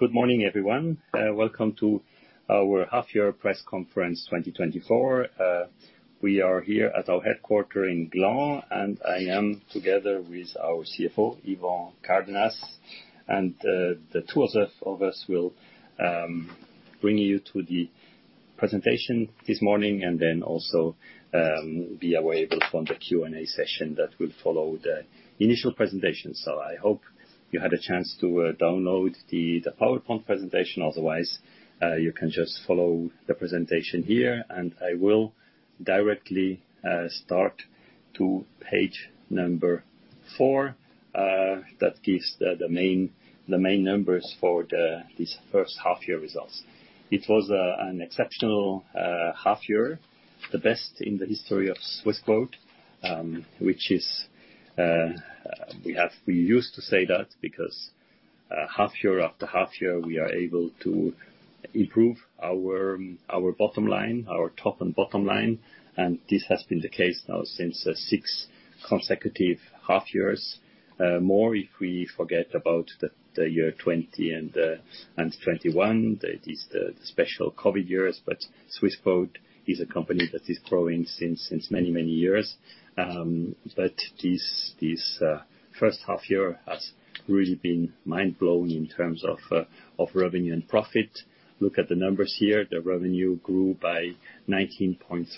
Good morning, everyone. Welcome to our half-year press conference, 2024. We are here at our headquarters in Gland, and I am together with our CFO, Yvan Cardenas, and the two of us will bring Yuh to the presentation this morning, and then also be available for the Q&A session that will follow the initial presentation. So I hope you had a chance to download the PowerPoint presentation. Otherwise, you can just follow the presentation here, and I will directly start to page number 4 that gives the main numbers for this first half-year results. It was an exceptional half year, the best in the history of Swissquote, which is, we used to say that because half year after half year, we are able to improve our bottom line, our top and bottom line, and this has been the case now since six consecutive half years. More if we forget about the year 2020 and 2021. That is the special COVID years. But Swissquote is a company that is growing since many years. But this first half year has really been mind-blowing in terms of revenue and profit. Look at the numbers here. The revenue grew by 19.3%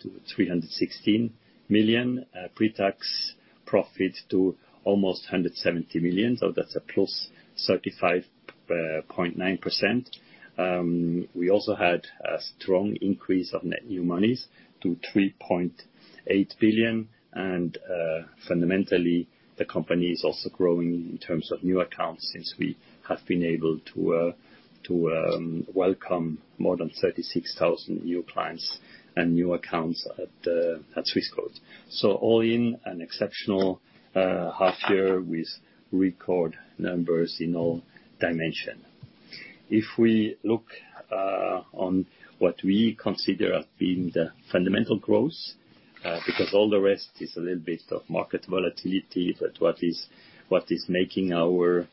to 316 million, pre-tax profit to almost 170 million. So that's a +35.9%. We also had a strong increase of net new monies to 3.8 billion. And fundamentally, the company is also growing in terms of new accounts since we have been able to welcome more than 36,000 new clients and new accounts at Swissquote. So all in, an exceptional half year with record numbers in all dimension. If we look on what we consider as being the fundamental growth, because all the rest is a little bit of market volatility, but what is making our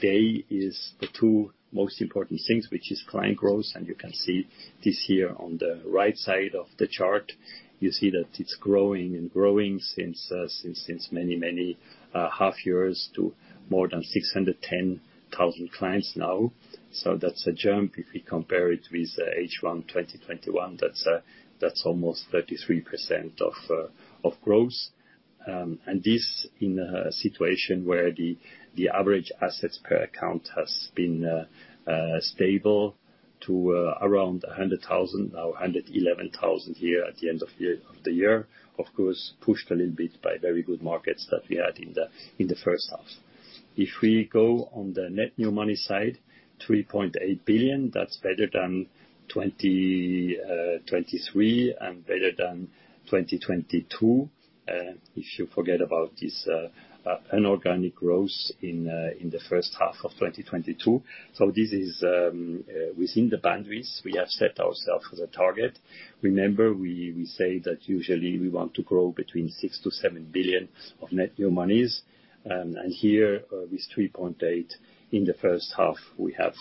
day is the two most important things, which is client growth. And you can see this here on the right side of the chart. You see that it's growing and growing since, since, since many, many, half years to more than 610,000 clients now. So that's a jump if we compare it with H1 2021. That's almost 33% of growth. And this in a situation where the average assets per account has been stable to around 100,000, now 111,000 here at the end of the year. Of course, pushed a little bit by very good markets that we had in the first half. If we go on the net new money side, 3.8 billion, that's better than 2023, and better than 2022. If you forget about this inorganic growth in the first half of 2022. So this is within the boundaries we have set ourselves as a target. Remember, we say that usually we want to grow between 6 billion-7 billion of net new monies. And here, with 3.8 billion in the first half, we have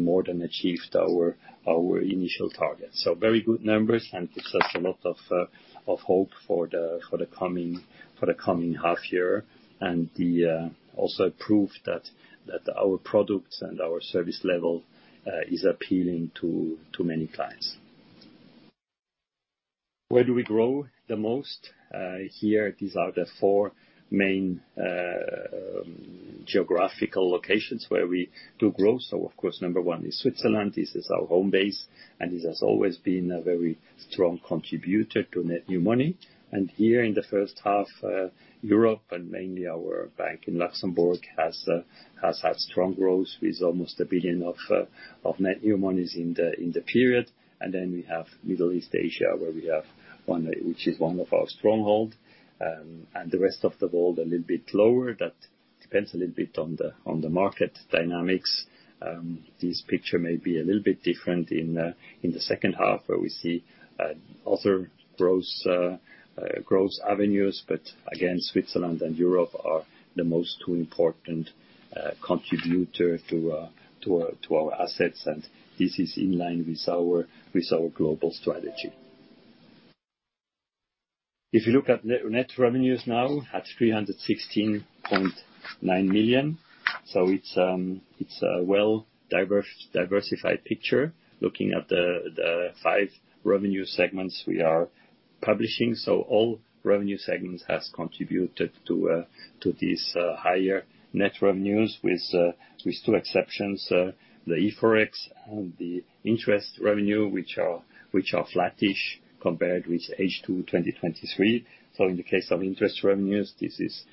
more than achieved our initial target. So very good numbers, and it gives us a lot of hope for the coming half year. And also proof that our products and our service level is appealing to many clients. Where do we grow the most? Here, these are the four main geographical locations where we do grow. So of course, number one is Switzerland. This is our home base, and this has always been a very strong contributor to net new money. And here in the first half, Europe, and mainly our bank in Luxembourg, has had strong growth with almost 1 billion of net new monies in the period. And then we have Middle East Asia, where we have one, which is one of our stronghold, and the rest of the world, a little bit lower. That depends a little bit on the market dynamics. This picture may be a little bit different in the second half, where we see other growth avenues. But again, Switzerland and Europe are the most two important contributor to our assets, and this is in line with our global strategy. If you look at net net revenues now, at 316.9 million, so it's, it's a well-diversified picture. Looking at the five revenue segments we are publishing, so all revenue segments has contributed to to these higher net revenues, with with two exceptions, the eForex and the interest revenue, which are which are flattish compared with H2 2023. So in the case of interest revenues, this is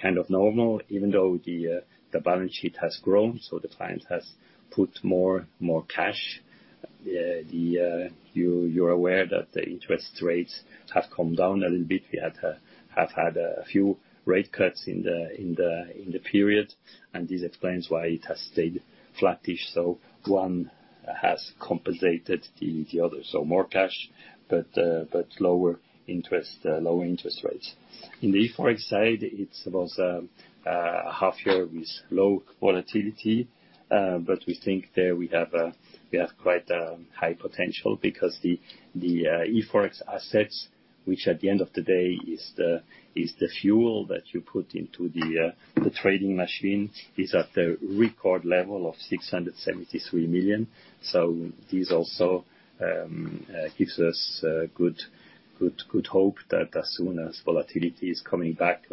kind of normal, even though the the balance sheet has grown, so the client has put more cash. The you you're aware that the interest rates have come down a little bit. We had have had a few rate cuts in the period, and this explains why it has stayed flattish. So one has compensated the other, so more cash, but lower interest rates. In the eForex side, it was a half year with low volatility, but we think that we have quite a high potential because the eForex assets, which at the end of the day is the fuel that you put into the trading machine, is at the record level of 673 million. So this also gives us good hope that as soon as volatility is coming back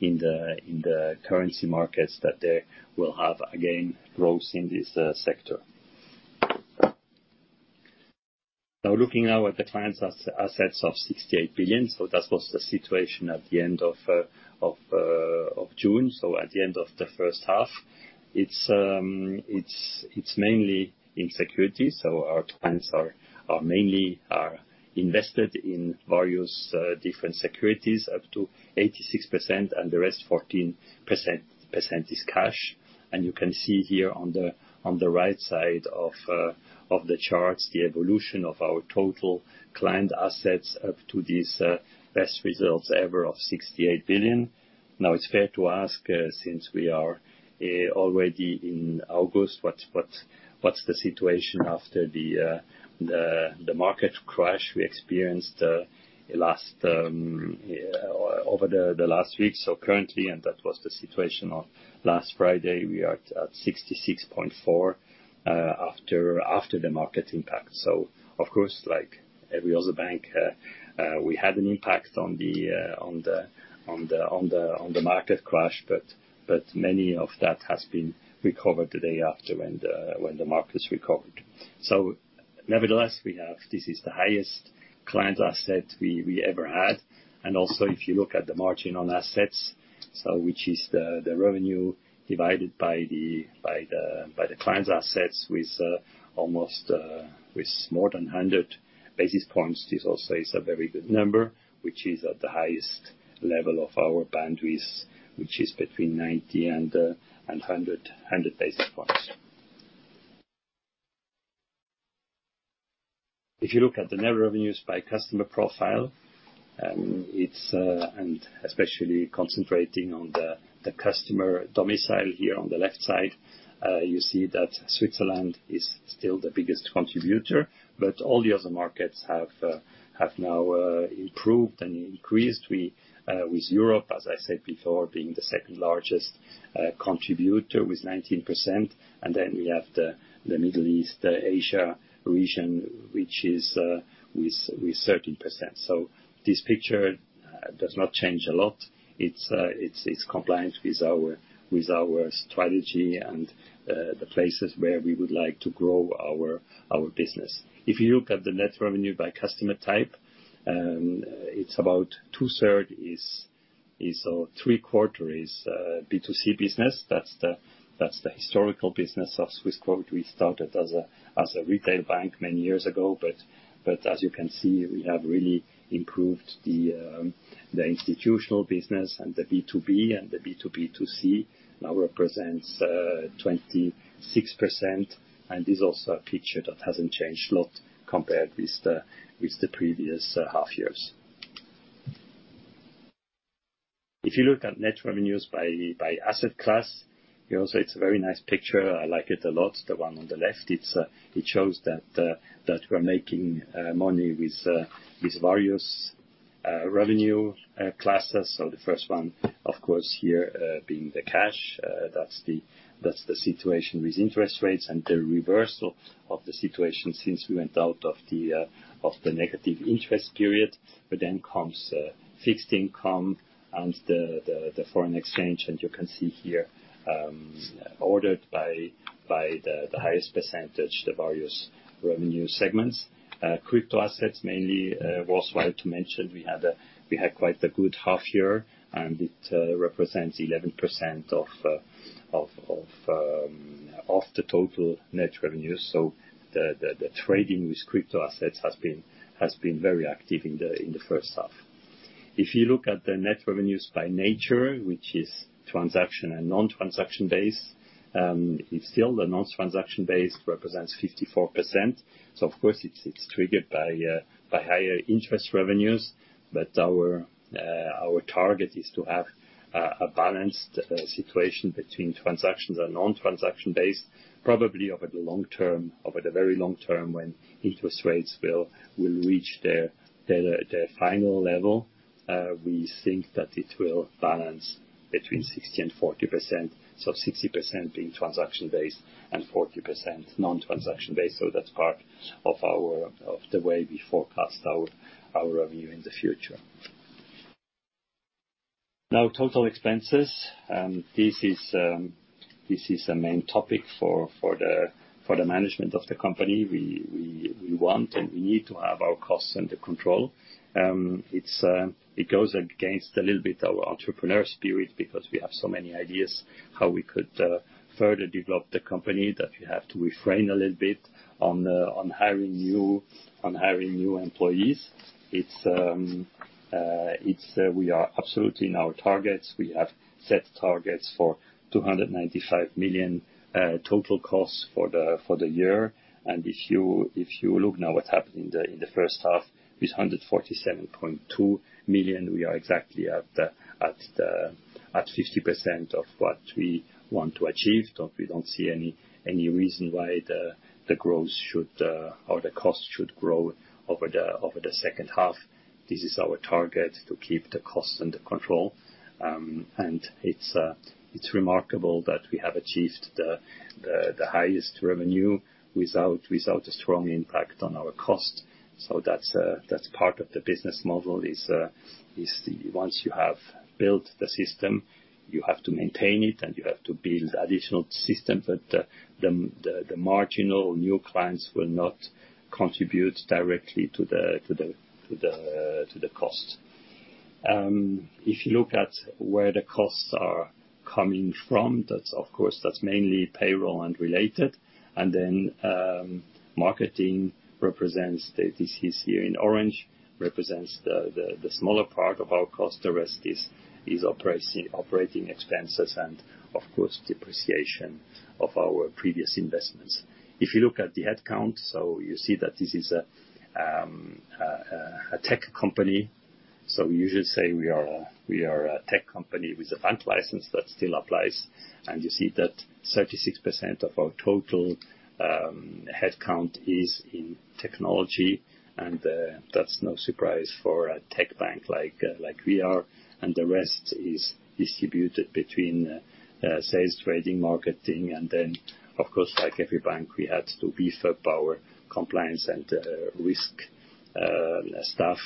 in the currency markets, that they will have, again, growth in this sector. Now, looking at the clients' assets of 68 billion, so that was the situation at the end of June, so at the end of the first half. It's mainly in securities, so our clients are mainly invested in various different securities, up to 86%, and the rest, 14% is cash. And you can see here on the right side of the charts, the evolution of our total client assets up to these best results ever of 68 billion. Now, it's fair to ask, since we are already in August, what's the situation after the market crash we experienced last over the last week? So currently, and that was the situation of last Friday, we are at 66.4 after the market impact. So of course, like every other bank, we had an impact on the market crash, but many of that has been recovered the day after when the markets recovered. So nevertheless, we have. This is the highest client asset we ever had. And also, if you look at the margin on assets, so which is the revenue divided by the clients' assets with almost more than 100 basis points, this also is a very good number, which is at the highest level of our bandwidth, which is between 90 and 100 basis points. If you look at the net revenues by customer profile, and especially concentrating on the customer domicile here on the left side, you see that Switzerland is still the biggest contributor, but all the other markets have now improved and increased. With Europe, as I said before, being the second largest contributor with 19%, and then we have the Middle East, the Asia region, which is with 13%. So this picture does not change a lot. It's compliant with our strategy and the places where we would like to grow our business. If you look at the net revenue by customer type, it's about two-thirds or three-quarters B2C business. That's the historical business of Swissquote. We started as a retail bank many years ago, but as you can see, we have really improved the institutional business and the B2B, and the B2B2C now represents 26%, and this is also a picture that hasn't changed a lot compared with the previous half years. If you look at net revenues by asset class, you know, so it's a very nice picture. I like it a lot, the one on the left. It shows that we're making money with various revenue classes. So the first one, of course, here, being the cash, that's the situation with interest rates and the reversal of the situation since we went out of the negative interest period. But then comes fixed income and the foreign exchange, and you can see here, ordered by the highest percentage, the various revenue segments. Crypto assets, mainly, was worth to mention, we had quite a good half year, and it represents 11% of the total net revenues. So the trading with crypto assets has been very active in the first half. If you look at the net revenues by nature, which is transaction and non-transaction based, it's still the non-transaction base represents 54%. So of course, it's triggered by higher interest revenues, but our target is to have a balanced situation between transactions and non-transaction based, probably over the long term, over the very long term, when interest rates will reach their final level. We think that it will balance between 60% and 40%, so 60% being transaction-based and 40% non-transaction based. So that's part of the way we forecast our revenue in the future. Now, total expenses, this is a main topic for the management of the company. We want and we need to have our costs under control. It goes against a little bit our entrepreneur spirit, because we have so many ideas how we could further develop the company, that we have to refrain a little bit on hiring new employees. We are absolutely in our targets. We have set targets for 295 million total costs for the year. And if you look now what happened in the first half, with 147.2 million, we are exactly at 50% of what we want to achieve. We don't see any reason why the growth should or the cost should grow over the second half. This is our target, to keep the costs under control. It's remarkable that we have achieved the highest revenue without a strong impact on our cost. So that's part of the business model is once you have built the system, you have to maintain it, and you have to build additional systems, but the marginal new clients will not contribute directly to the cost. If you look at where the costs are coming from, that's of course that's mainly payroll and related. And then marketing represents the; this is here in orange, represents the smaller part of our cost. The rest is operating expenses and of course, depreciation of our previous investments. If you look at the headcount, so you see that this is a tech company. So we usually say we are a tech company with a bank license, that still applies. And you see that 36% of our total headcount is in technology, and that's no surprise for a tech bank like we are, and the rest is distributed between sales, trading, marketing. And then, of course, like every bank, we had to beef up our compliance and risk staff,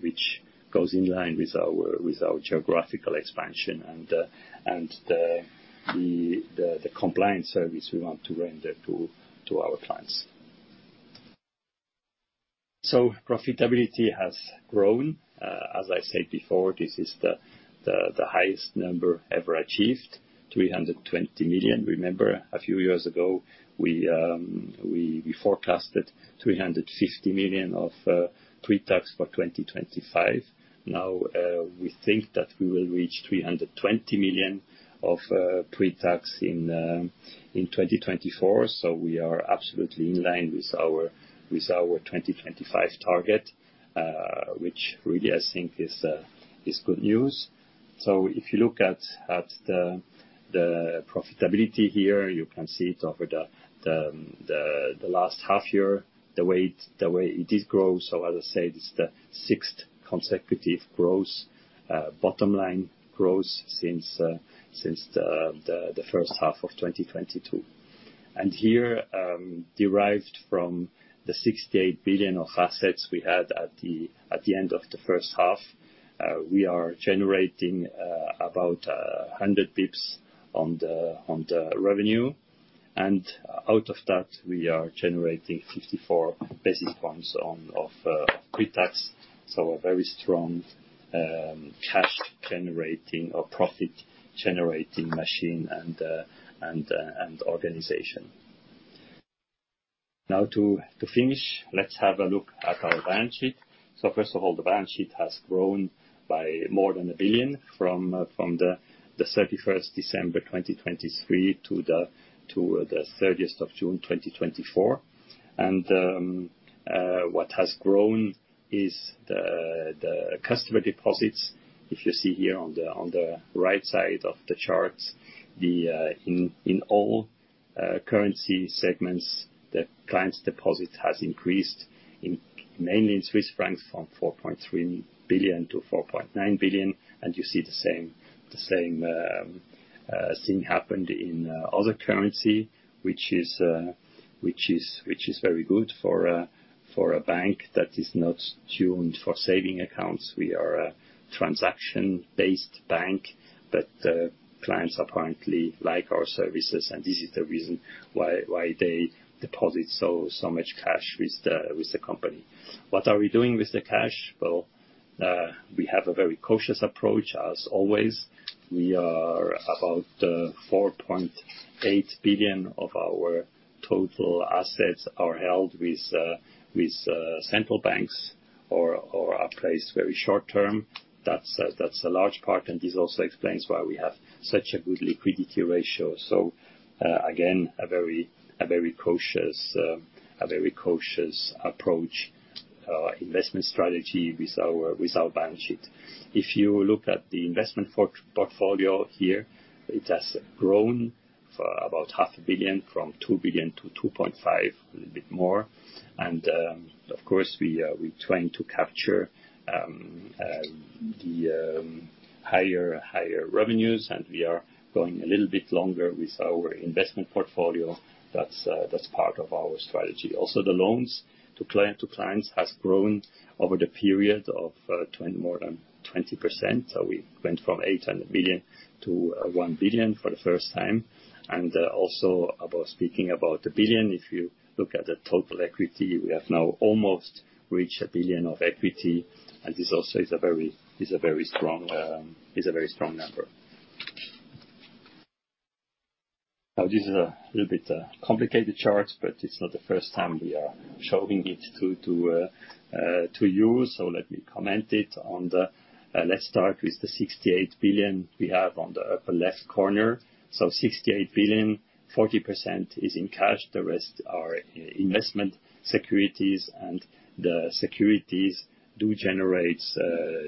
which goes in line with our geographical expansion and the compliance service we want to render to our clients. So profitability has grown. As I said before, this is the highest number ever achieved, 320 million. Remember, a few years ago, we forecasted 350 million of pre-tax for 2025. Now, we think that we will reach 320 million of pre-tax in 2024, so we are absolutely in line with our twenty twenty-five target, which really, I think is good news. So if you look at the profitability here, you can see it over the last half year, the way it did grow. So as I said, it's the sixth consecutive bottom line growth since the first half of 2022. And here, derived from the 68 billion of assets we had at the end of the first half, we are generating about 100 basis points on the revenue. And out of that, we are generating 54 basis points of pre-tax. So a very strong, cash generating or profit generating machine and organization. Now to finish, let's have a look at our balance sheet. So first of all, the balance sheet has grown by more than 1 billion from the 31 December 2023 to the 30 June 2024. And what has grown is the customer deposits. If you see here on the right side of the chart, the... In all currency segments, the client's deposit has increased, mainly in Swiss francs, from 4.3 billion to 4.9 billion, and you see the same thing happened in other currency, which is very good for a bank that is not tuned for saving accounts. We are a transaction-based bank, but clients apparently like our services, and this is the reason why they deposit so much cash with the company. What are we doing with the cash? Well, we have a very cautious approach, as always. About 4.8 billion of our total assets are held with central banks or are placed very short term. That's a large part, and this also explains why we have such a good liquidity ratio. So, again, a very cautious approach, investment strategy with our balance sheet. If you look at the investment portfolio here, it has grown by about 0.5 billion, from 2 billion to 2.5 billion, a little bit more. Of course, we are, we're trying to capture the higher revenues, and we are going a little bit longer with our investment portfolio. That's part of our strategy. Also, the loans to clients has grown over the period of more than 20%. So we went from 800 billion to 1 billion for the first time. Also, speaking about the billion, if you look at the total equity, we have now almost reached 1 billion of equity, and this also is a very strong number. Now, this is a little bit complicated chart, but it's not the first time we are showing it to you, so let me comment it. On the, let's start with the 68 billion we have on the upper left corner. So 68 billion, 40% is in cash, the rest are investment securities. And the securities do generate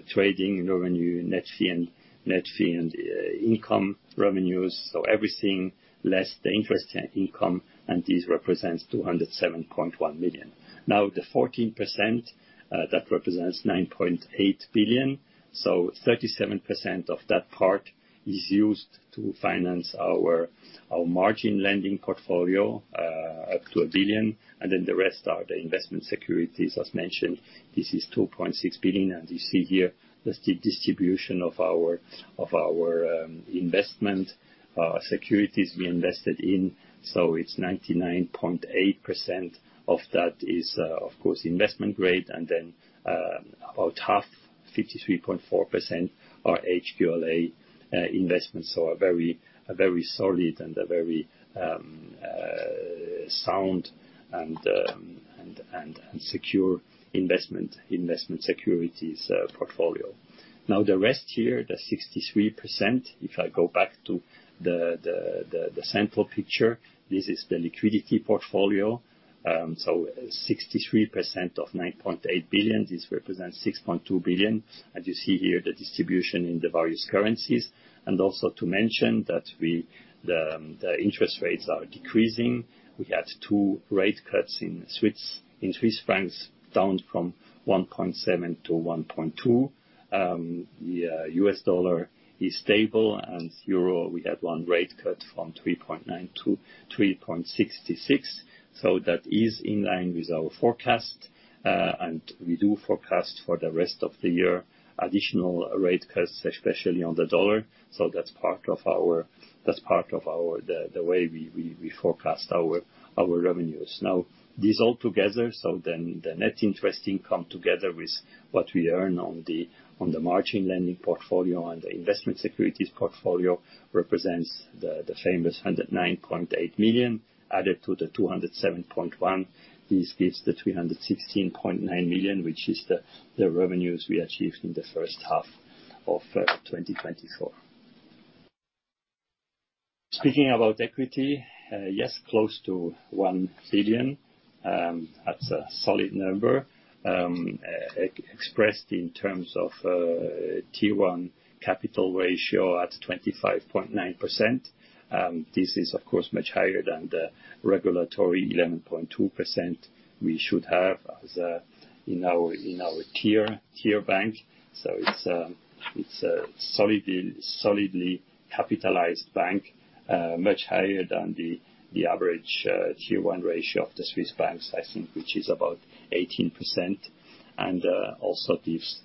trading and revenue, net fee and income revenues, so everything, less the interest and income, and this represents 207.1 million. Now, the 14% that represents 9.8 billion, so 37% of that part is used to finance our margin lending portfolio, up to 1 billion, and then the rest are the investment securities. As mentioned, this is 2.6 billion, and you see here, that's the distribution of our investment securities we invested in. So it's 99.8% of that is, of course, investment grade, and then, about half, 53.4% are HQLA investments. So a very solid and a very sound and secure investment, investment securities portfolio. Now, the rest here, the 63%, if I go back to the central picture, this is the liquidity portfolio. So 63% of 9.8 billion, this represents 6.2 billion. And you see here the distribution in the various currencies, and also to mention that we, the interest rates are decreasing. We had two rate cuts in Swiss, in Swiss francs, down from 1.7-1.2. The US dollar is stable, and euro, we had one rate cut from 3.9-3.66. So that is in line with our forecast, and we do forecast for the rest of the year additional rate cuts, especially on the dollar. So that's part of our, that's part of our the way we forecast our revenues. Now, these all together, so then the net interest income together with what we earn on the margin lending portfolio and the investment securities portfolio, represents the famous 109.8 million, added to the 207.1. This gives the 316.9 million, which is the revenues we achieved in the first half of 2024. Speaking about equity, yes, close to 1 billion, that's a solid number. Expressed in terms of Tier 1 capital ratio at 25.9%. This is, of course, much higher than the regulatory 11.2% we should have as in our Tier 1 bank. So it's a solidly capitalized bank, much higher than the average Tier 1 ratio of the Swiss banks, I think, which is about 18%. And also this,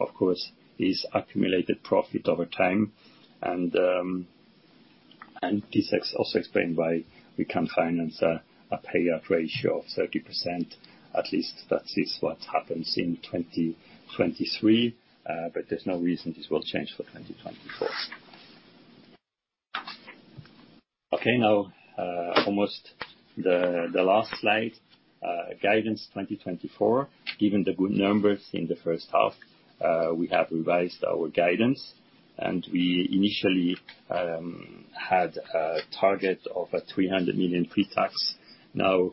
of course, is accumulated profit over time. And this also explains why we can finance a payout ratio of 30%. At least that is what happens in 2023, but there's no reason this will change for 2024. Okay, now almost the last slide, guidance 2024. Given the good numbers in the first half, we have revised our guidance, and we initially had a target of 300 million pre-tax. Now,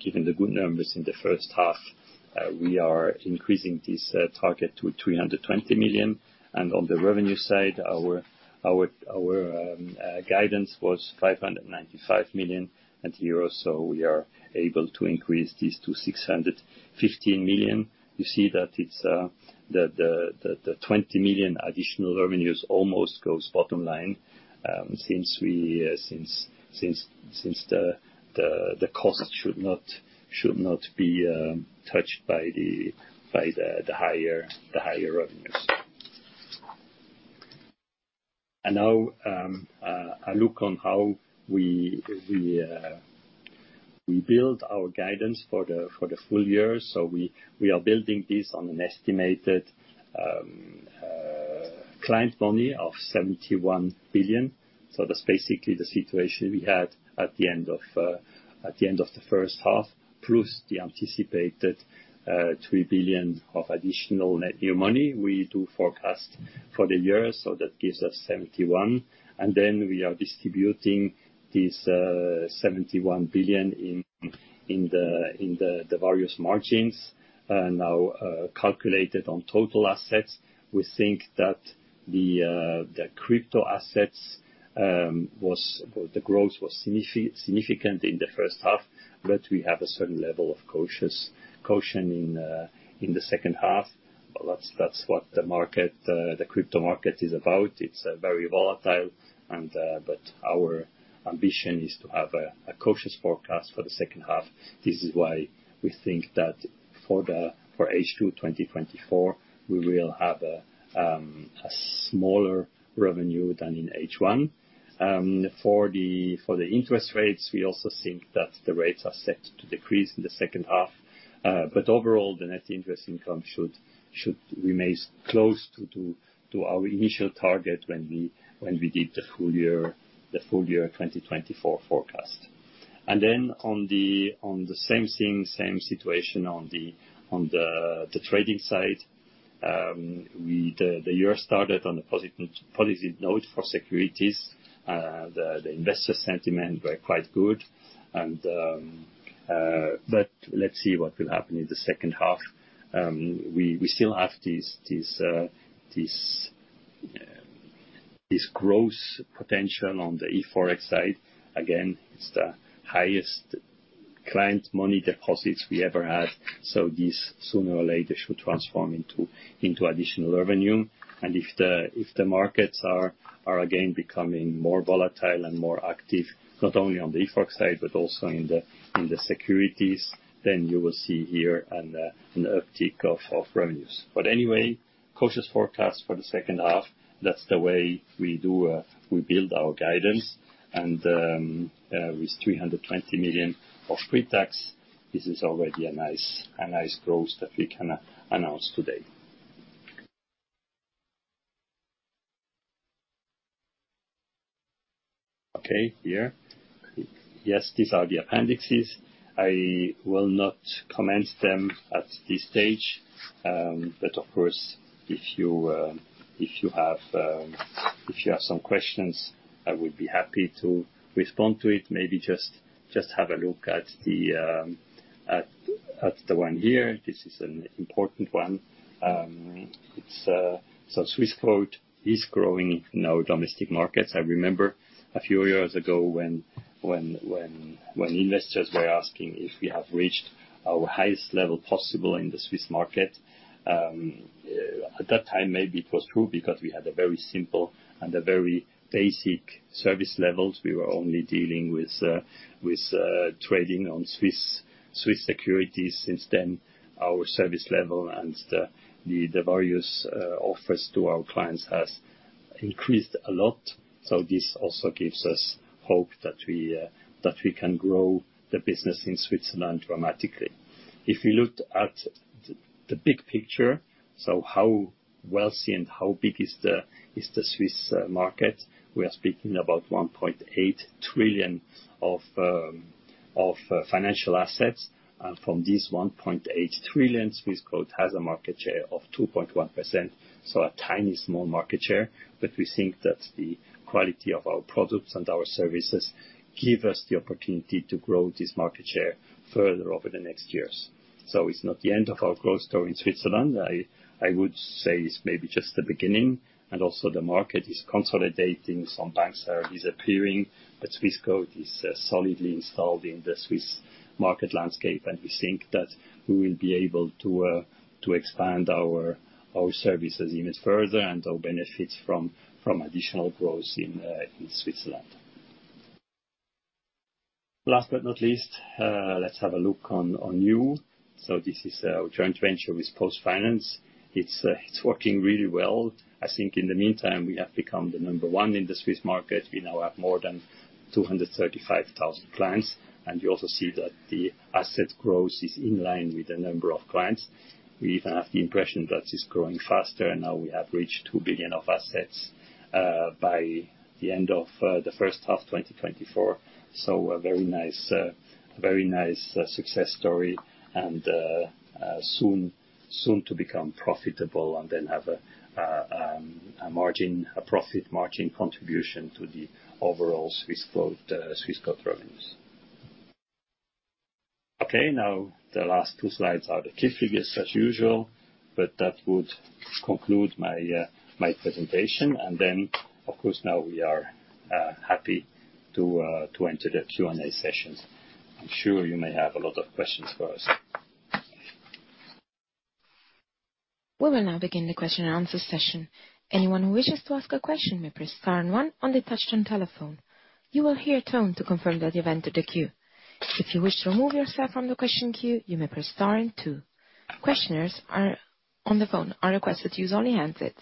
given the good numbers in the first half, we are increasing this target to 320 million. And on the revenue side, our guidance was CHF 595 million, and here also we are able to increase this to 615 million. You see that it's the 20 million additional revenues almost goes bottom line, since the costs should not be touched by the higher revenues. And now, a look on how we build our guidance for the full year. So we are building this on an estimated client money of 71 billion. So that's basically the situation we had at the end of the first half, plus the anticipated 3 billion of additional net new money we do forecast for the year, so that gives us 71. And then we are distributing this 71 billion in the various margins, now calculated on total assets. We think that the crypto assets was well, the growth was significant in the first half, but we have a certain level of caution in the second half. But that's what the market, the crypto market is about. It's very volatile and, but our ambition is to have a cautious forecast for the second half. This is why we think that for H2 2024, we will have a smaller revenue than in H1. For the interest rates, we also think that the rates are set to decrease in the second half. But overall, the net interest income should remain close to our initial target when we did the full year 2024 forecast. Then on the same thing, same situation on the trading side. The year started on a positive note for securities. The investor sentiment were quite good and, but let's see what will happen in the second half. We still have this growth potential on the eForex side. Again, it's the highest client money deposits we ever had, so this sooner or later should transform into additional revenue. And if the markets are again becoming more volatile and more active, not only on the eForex side, but also in the securities, then you will see here an uptick of revenues. But anyway, cautious forecast for the second half. That's the way we do we build our guidance, and with 320 million of pre-tax, this is already a nice, a nice growth that we can announce today. Okay, here. Yes, these are the appendixes. I will not comment them at this stage, but of course, if you have some questions, I would be happy to respond to it. Maybe just have a look at the one here. This is an important one. It's so Swissquote is growing in our domestic markets. I remember a few years ago when investors were asking if we have reached our highest level possible in the Swiss market. At that time, maybe it was true because we had a very simple and a very basic service levels. We were only dealing with trading on Swiss securities. Since then, our service level and the various offers to our clients has increased a lot. So this also gives us hope that we can grow the business in Switzerland dramatically. If you look at the big picture, so how wealthy and how big is the Swiss market? We are speaking about 1.8 trillion of financial assets. From this 1.8 trillion, Swissquote has a market share of 2.1%, so a tiny, small market share. But we think that the quality of our products and our services give us the opportunity to grow this market share further over the next years. It's not the end of our growth story in Switzerland. I would say it's maybe just the beginning, and also the market is consolidating. Some banks are disappearing, but Swissquote is solidly installed in the Swiss market landscape, and we think that we will be able to to expand our our services even further and to benefit from additional growth in in Switzerland. Last but not least, let's have a look on you. So this is our joint venture with PostFinance. It's, it's working really well. I think in the meantime, we have become the number one in the Swiss market. We now have more than 235,000 clients, and you also see that the asset growth is in line with the number of clients. We even have the impression that it's growing faster, and now we have reached 2 billion of assets by the end of the first half, 2024. So a very nice, very nice success story, and soon, soon to become profitable and then have a margin, a profit margin contribution to the overall Swissquote revenues. Okay, now, the last two slides are the key figures as usual, but that would conclude my presentation. And then, of course, now we are happy to enter the Q&A sessions. I'm sure you may have a lot of questions for us. We will now begin the question and answer session. Anyone who wishes to ask a question may press star and one on the touchtone telephone. You will hear a tone to confirm that you've entered the queue. If you wish to remove yourself from the question queue, you may press star and two. Questioners are on the phone are requested to use only handsets.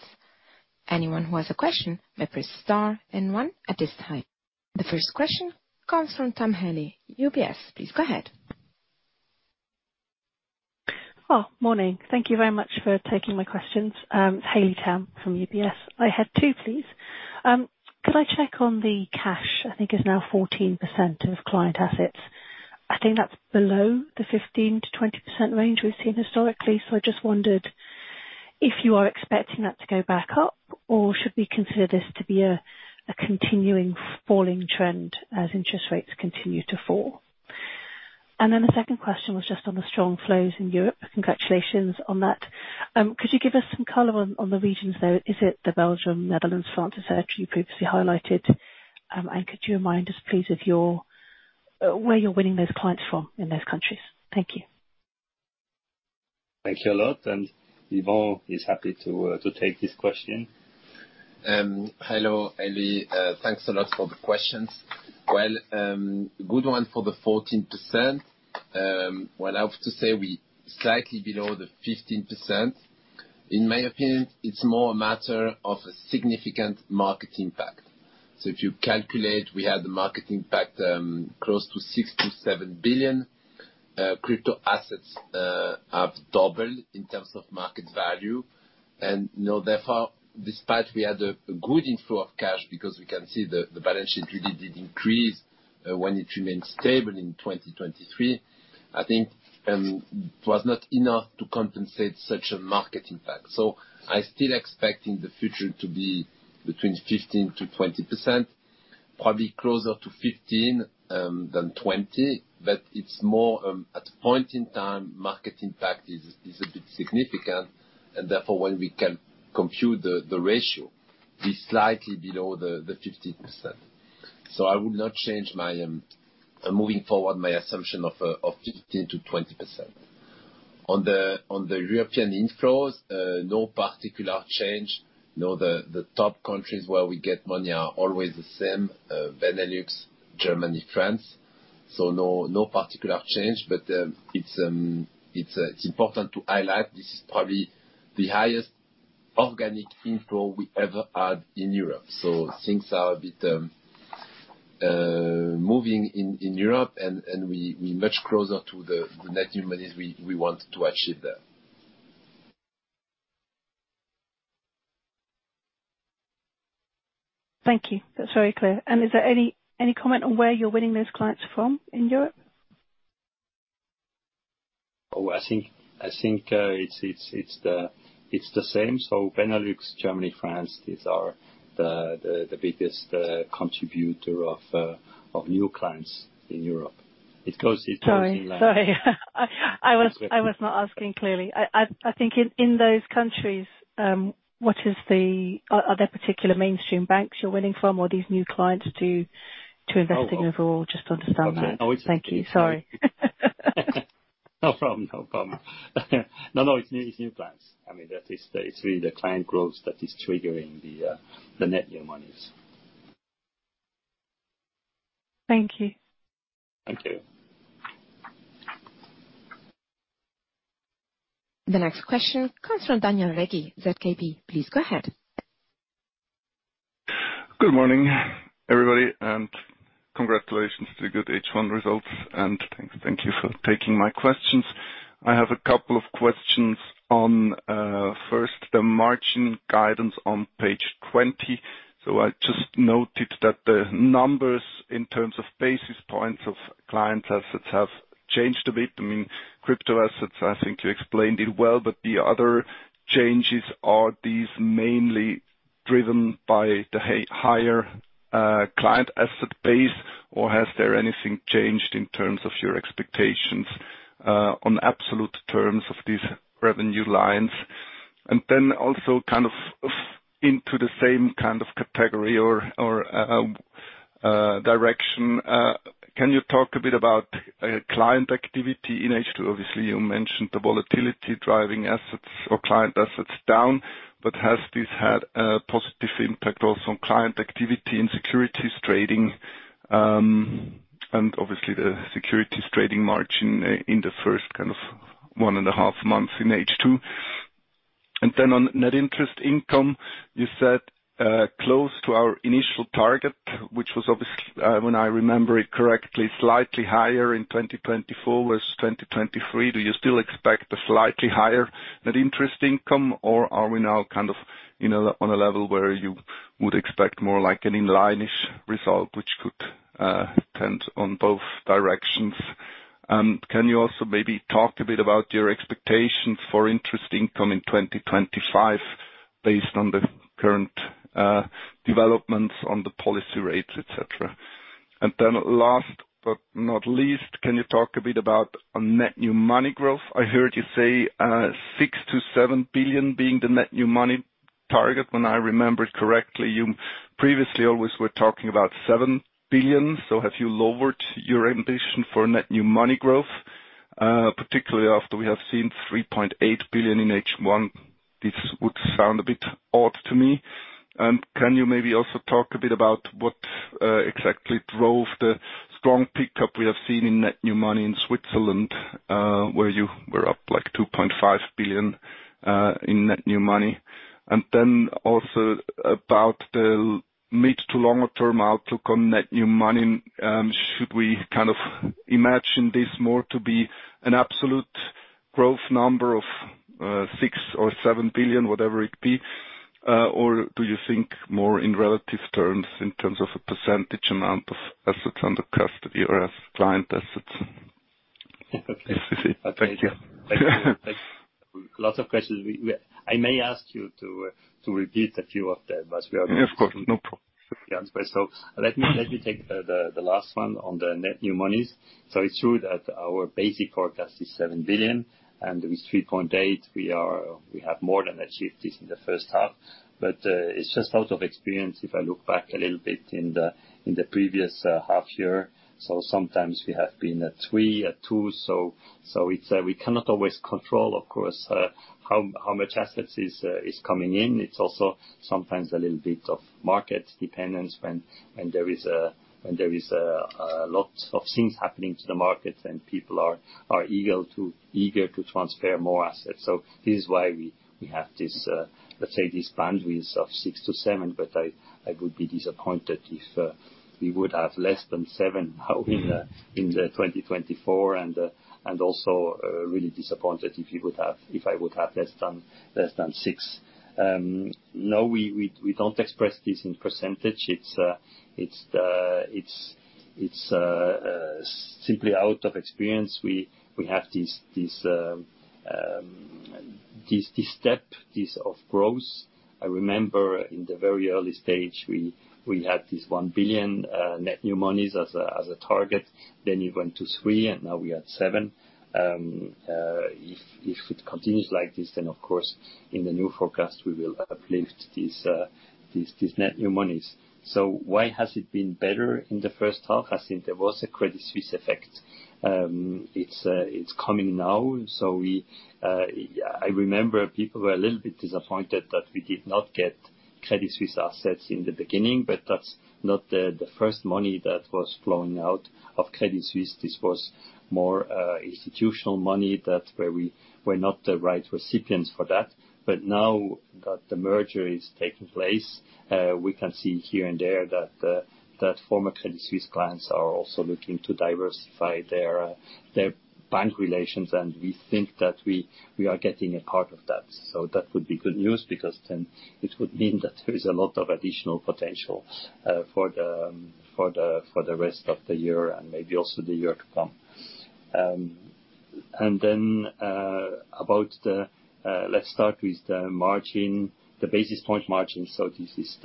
Anyone who has a question may press star and one at this time. The first question comes from Haley Tam, UBS. Please go ahead. Oh, morning. Thank you very much for taking my questions. It's Haley Tam from UBS. I had two, please. Could I check on the cash? I think it's now 14% of client assets. I think that's below the 15%-20% range we've seen historically. So I just wondered if you are expecting that to go back up, or should we consider this to be a continuing falling trend as interest rates continue to fall? And then the second question was just on the strong flows in Europe. Congratulations on that. Could you give us some color on the regions, though? Is it Belgium, Netherlands, France, et cetera, you previously highlighted? And could you remind us, please, of your where you're winning those clients from in those countries? Thank you. Thank you a lot, and Yvan is happy to, to take this question. Hello, Haley. Thanks a lot for the questions. Well, good one for the 14%. What I have to say, we slightly below the 15%. In my opinion, it's more a matter of a significant market impact. So if you calculate, we had a market impact, close to 6 billion-7 billion. Crypto assets have doubled in terms of market value. And, you know, therefore, despite we had a good inflow of cash, because we can see the balance sheet really did increase, when it remained stable in 2023, I think, it was not enough to compensate such a market impact. So I still expect in the future to be between 15%-20%, probably closer to 15 than 20, but it's more at a point in time, market impact is a bit significant, and therefore, when we can compute the ratio, it's slightly below the 15%. So I would not change my moving forward my assumption of 15%-20%. On the European inflows, no particular change. You know, the top countries where we get money are always the same, Benelux, Germany, France. So no particular change, but it's important to highlight this is probably the highest organic inflow we ever had in Europe. So things are a bit moving in Europe, and we much closer to the net new money we want to achieve there.... Thank you. That's very clear. And is there any comment on where you're winning those clients from in Europe? Oh, I think it's the same. So Benelux, Germany, France, these are the biggest contributor of new clients in Europe. It goes- Sorry, sorry. I was not asking clearly. I think in those countries, what is the... Are there particular mainstream banks you're winning from, or these new clients to investing overall? Just to understand that. Okay. Thank you. Sorry. No problem, no problem. No, no, it's new, it's new clients. I mean, that is the, it's really the client growth that is triggering the, the net new monies. Thank you. Thank you. The next question comes from Daniel Regli, ZKB. Please go ahead. Good morning, everybody, and congratulations to the good H1 results, and thank, thank you for taking my questions. I have a couple of questions on first, the margin guidance on page 20. So I just noted that the numbers in terms of basis points of clients' assets have changed a bit. I mean, crypto assets, I think you explained it well, but the other changes, are these mainly driven by the higher client asset base, or has there anything changed in terms of your expectations on absolute terms of these revenue lines? And then also kind of into the same kind of category or direction, can you talk a bit about client activity in H2? Obviously, you mentioned the volatility driving assets or client assets down, but has this had a positive impact also on client activity and securities trading, and obviously, the securities trading margin, in the first kind of 1.5 months in H2? And then on net interest income, you said, "Close to our initial target," which was obviously, when I remember it correctly, slightly higher in 2024 versus 2023. Do you still expect a slightly higher net interest income, or are we now kind of, you know, on a level where you would expect more like an in-line-ish result, which could, tend on both directions? And can you also maybe talk a bit about your expectations for interest income in 2025 based on the current, developments on the policy rates, et cetera? And then last but not least, can you talk a bit about on net new money growth? I heard you say, 6 billion-7 billion being the net new money target, when I remember it correctly. You previously always were talking about 7 billion, so have you lowered your ambition for net new money growth? Particularly after we have seen 3.8 billion in H1, this would sound a bit odd to me. And can you maybe also talk a bit about what, exactly drove the strong pickup we have seen in net new money in Switzerland, where you were up, like, 2.5 billion, in net new money? And then also about the mid- to longer-term outlook on net new money, should we kind of imagine this more to be an absolute growth number of 6 billion or 7 billion, whatever it be, or do you think more in relative terms, in terms of a percentage amount of assets under custody or as client assets? Thank you. Thank you. Thanks. Lots of questions. We... I may ask you to to repeat a few of them, but we are- Yeah, of course. No problem. So let me take the last one on the net new monies. So it's true that our basic forecast is 7 billion, and with 3.8 billion, we are, we have more than achieved this in the first half. But it's just out of experience, if I look back a little bit in the previous half year, so sometimes we have been at 3 billion, at 2 billion, so it's, we cannot always control, of course, how much assets is coming in. It's also sometimes a little bit of market dependence when there is a lot of things happening to the market, and people are eager to transfer more assets. So this is why we have this, let's say, this boundaries of 6 billion or 7 billion, but I would be disappointed if we would have less than 7 billion now- Mm-hmm... in the 2024, and also really disappointed if we would have, if I would have less than 6 billion. No, we don't express this in percentage. It's the, it's simply out of experience, we have this step of growth. I remember in the very early stage, we had this 1 billion net new monies as a target. Then it went to 3 billion, and now we are at 7 billion. If it continues like this, then of course, in the new forecast, we will uplift these net new monies. So why has it been better in the first half? I think there was a Credit Suisse effect. It's coming now, so we... I remember people were a little bit disappointed that we did not get Credit Suisse assets in the beginning, but that's not the first money that was flowing out of Credit Suisse. This was more institutional money that, where we were not the right recipients for that. But now that the merger is taking place, we can see here and there that that former Credit Suisse clients are also looking to diversify their their bank relations, and we think that we we are getting a part of that. So that would be good news, because then it would mean that there is a lot of additional potential for the rest of the year and maybe also the year to come. And then, about the margin, the basis point margin, so this is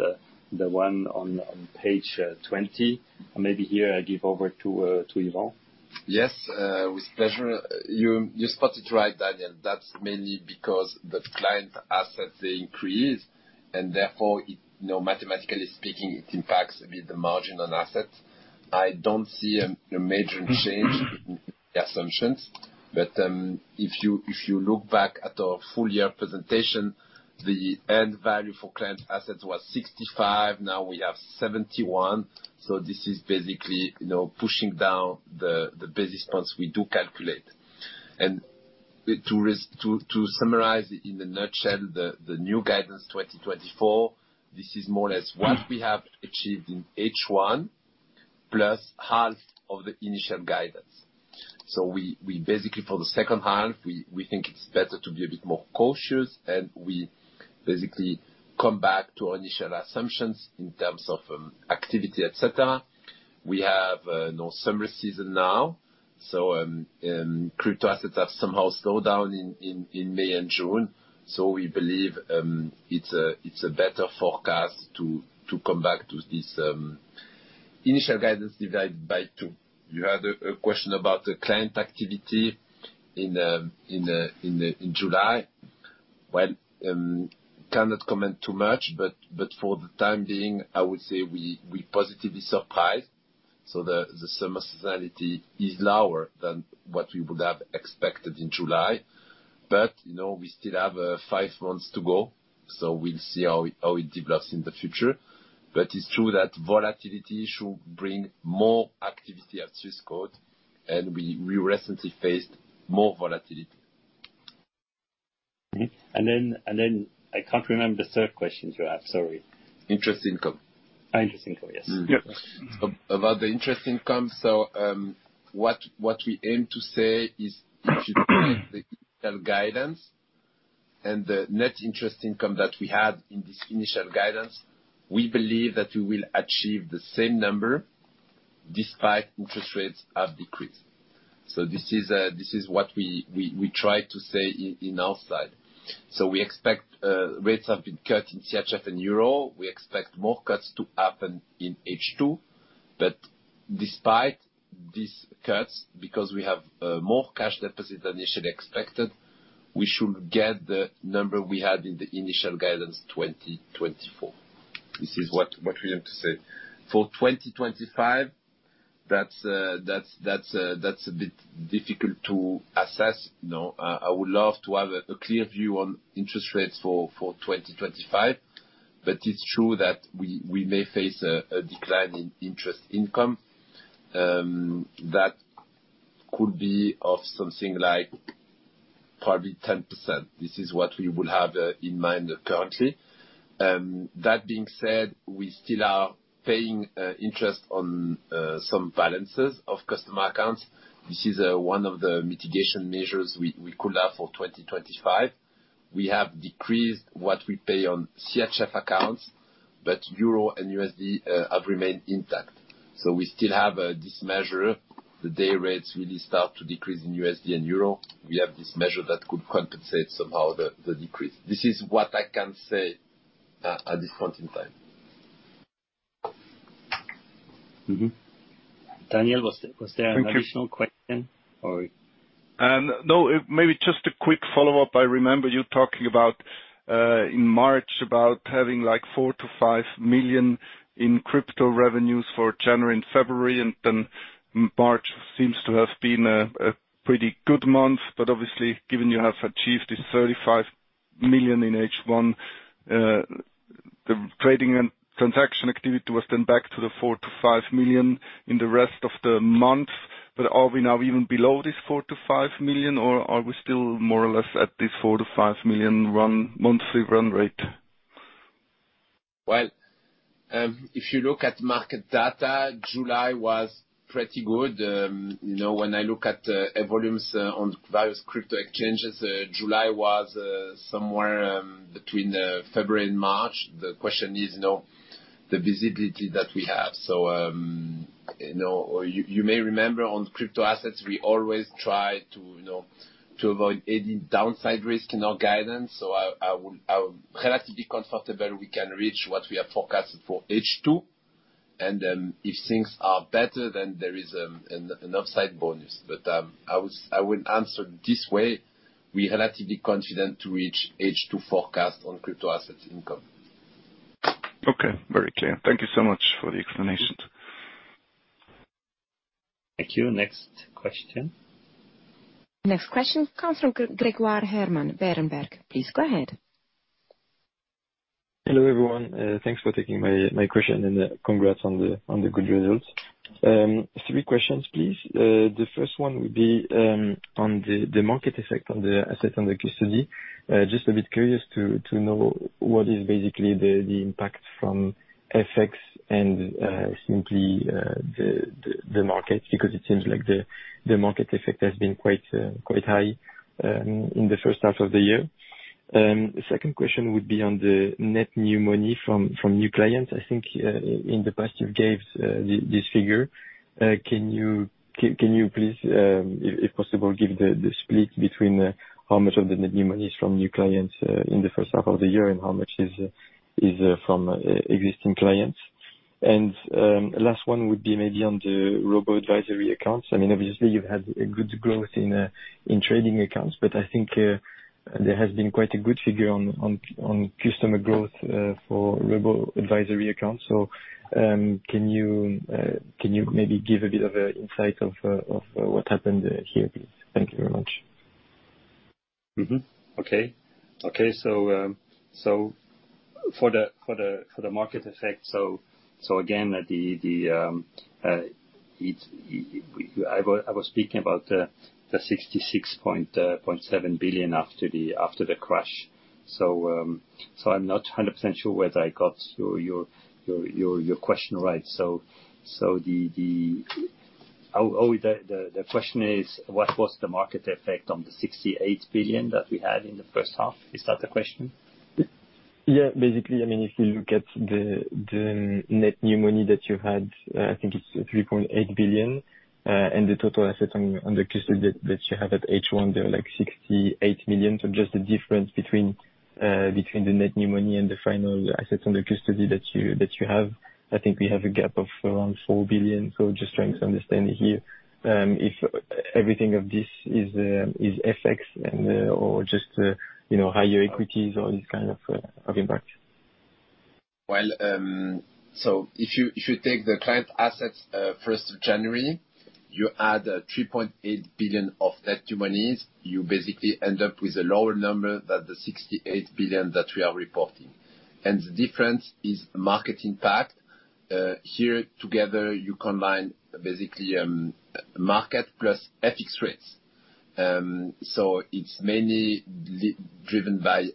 the one on page 20. Maybe here I give over to Yvan. Yes, with pleasure. You spot it right, Daniel. That's mainly because the client assets, they increase, and therefore, it, you know, mathematically speaking, it impacts a bit the margin on assets. I don't see a major change in the assumptions, but if you look back at our full year presentation, the end value for client assets was 65, now we have 71. So this is basically, you know, pushing down the basis points we do calculate. And to summarize in a nutshell, the new guidance, 2024, this is more or less what we have achieved in H1, plus half of the initial guidance. So we basically, for the second half, we think it's better to be a bit more cautious, and we basically come back to our initial assumptions in terms of activity, et cetera. We have, you know, summer season now, so crypto assets have somehow slowed down in May and June, so we believe it's a better forecast to come back to this initial guidance divided by two. You had a question about the client activity in July. Well, cannot comment too much, but for the time being, I would say we positively surprised, so the summer seasonality is lower than what we would have expected in July. But, you know, we still have five months to go, so we'll see how it develops in the future. But it's true that volatility should bring more activity at Swissquote, and we recently faced more volatility. Mm-hmm. And then I can't remember the third question you have, sorry. Interest income. Interest income, yes. Mm-hmm. About the interest income, so, what we aim to say is, if you take the initial guidance and the net interest income that we had in this initial guidance, we believe that we will achieve the same number despite interest rates have decreased. So this is what we try to say in our slide. So we expect rates have been cut in CHF and Euro. We expect more cuts to happen in H2, but despite these cuts, because we have more cash deposits than initially expected, we should get the number we had in the initial guidance, 2024. This is what we aim to say. For 2025, that's a bit difficult to assess, you know. I would love to have a clear view on interest rates for 2025, but it's true that we may face a decline in interest income. That could be of something like probably 10%. This is what we would have in mind currently. That being said, we still are paying interest on some balances of customer accounts. This is one of the mitigation measures we could have for 2025. We have decreased what we pay on CHF accounts, but Euro and USD have remained intact, so we still have this measure. The day rates really start to decrease in USD and Euro. We have this measure that could compensate somehow the decrease. This is what I can say at this point in time. Mm-hmm. Daniel, was there an additional question, or? No, maybe just a quick follow-up. I remember you talking about in March about having like 4 million-5 million in crypto revenues for January and February, and then March seems to have been a pretty good month. But obviously, given you have achieved this 35 million in H1, the trading and transaction activity was then back to the 4 million-5 million in the rest of the month. But are we now even below this 4 million-5 million, or are we still more or less at this 4 million-5 million run, monthly run rate? Well, if you look at market data, July was pretty good. You know, when I look at volumes on various crypto exchanges, July was somewhere between February and March. The question is, you know, the visibility that we have. So, you know, you may remember on crypto assets, we always try to, you know, to avoid any downside risk in our guidance. So I'm relatively comfortable we can reach what we have forecasted for H2, and if things are better, then there is an upside bonus. But, I would answer this way, we're relatively confident to reach H2 forecast on crypto assets income. Okay, very clear. Thank you so much for the explanation. Thank you. Next question. Next question comes from Grégoire Hermann, Berenberg. Please go ahead. Hello, everyone. Thanks for taking my question, and congrats on the good results. Three questions, please. The first one would be on the market effect on the assets under custody. Just a bit curious to know what is basically the impact from FX and simply the market, because it seems like the market effect has been quite high in the first half of the year. The second question would be on the net new money from new clients. I think in the past, you gave this figure. Can you please, if possible, give the split between how much of the net new money is from new clients in the first half of the year, and how much is from existing clients? Last one would be maybe on the robo-advisory accounts. I mean, obviously, you've had a good growth in trading accounts, but I think there has been quite a good figure on customer growth for robo-advisory accounts. So, can you maybe give a bit of insight of what happened here, please? Thank you very much. Mm-hmm. Okay. Okay, so for the market effect, so again, I was speaking about the 66.7 billion after the crash. So I'm not 100% sure whether I got your question right. So the... Oh, the question is, what was the market effect on the 68 billion that we had in the first half? Is that the question? Yeah. Basically, I mean, if you look at the net new money that you had, I think it's 3.8 billion, and the total assets on the custody that you have at H1, they're like 68 billion. So just the difference between the net new money and the final assets under custody that you have, I think we have a gap of around 4 billion. So just trying to understand it here, if everything of this is FX and or just, you know, higher equities or this kind of of impact. Well, so if you, if you take the client assets, first of January, you add 3.8 billion of net new monies, you basically end up with a lower number than the 68 billion that we are reporting. The difference is market impact. Here, together, you combine basically market plus FX rates. So it's mainly driven by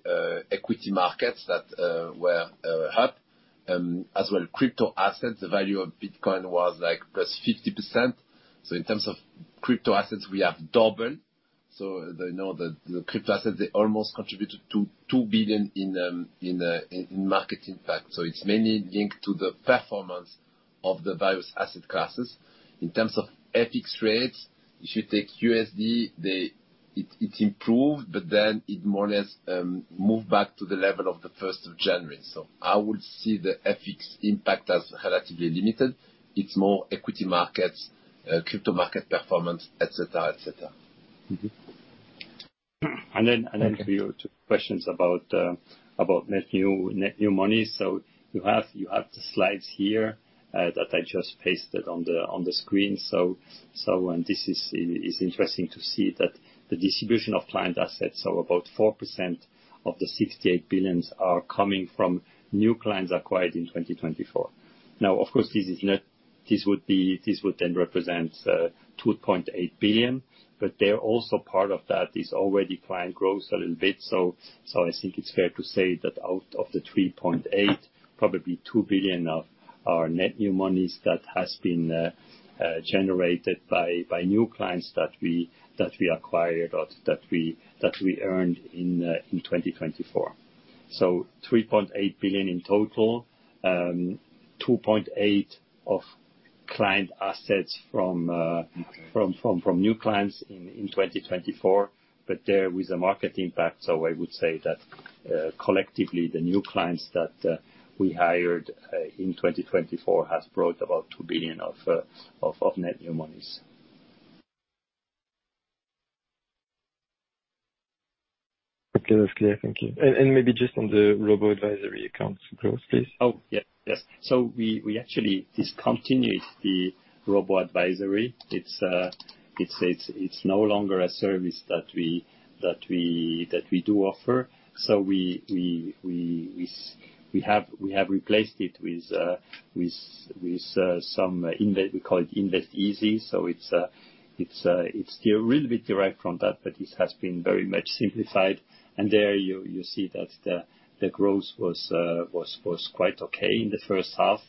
equity markets that were up. As well, crypto assets, the value of Bitcoin was, like, +50%. So in terms of crypto assets, we have doubled. So they know that the crypto assets, they almost contributed to 2 billion in market impact. So it's mainly linked to the performance of the various asset classes. In terms of FX rates, if you take USD, the... It improved, but then it more or less moved back to the level of the first of January. So I would see the FX impact as relatively limited. It's more equity markets, crypto market performance, et cetera, et cetera. Mm-hmm. And then to your two questions about net new money. So you have the slides here that I just pasted on the screen. So, and this is interesting to see that the distribution of client assets, so about 4% of the 68 billion are coming from new clients acquired in 2024. Now, of course, this is not- this would be, this would then represent 2.8 billion, but they're also part of that is already client growth a little bit. So, I think it's fair to say that out of the 3.8, probably 2 billion of are net new monies that has been generated by new clients that we acquired or that we earned in 2024. So 3.8 billion in total, 2.8 billion of client assets from new clients in 2024. But there, with the market impact, so I would say that, collectively, the new clients that we hired in 2024 has brought about 2 billion of net new monies. Okay, that's clear. Thank you. And, maybe just on the robo-advisory accounts growth, please. Oh, yeah. Yes. So we actually discontinued the robo-advisory. It's no longer a service that we do offer. So we have replaced it with some invest... We call it Invest Easy. So it's still a little bit derived from that, but it has been very much simplified. And there, you see that the growth was quite okay in the first half.